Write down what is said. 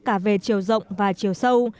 cả về chiều rộng và chiều sâu